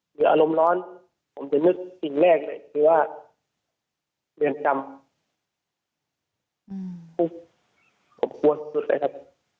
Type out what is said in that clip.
อารมณ์ร้อนผมจะนึกสิ่งแรกเลยคือว่าเรือนจำพวกผมกลัวสุดเลยครับ